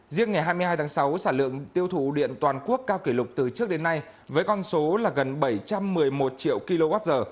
riêng ngày hai mươi hai tháng sáu sản lượng tiêu thụ điện toàn quốc cao kỷ lục từ trước đến nay với con số là gần bảy trăm một mươi một triệu kwh